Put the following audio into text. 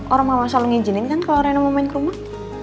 orang mama selalu mengizinin kan kalau reno mau main ke rumah